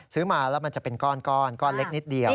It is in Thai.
ซื้อมาแล้วมันจะเป็นก้อนก้อนเล็กนิดเดียว